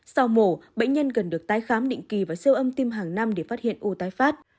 sau mổ bệnh nhân cần được tái khám định kỳ và siêu âm tiêm hàng năm để phát hiện ô tái phát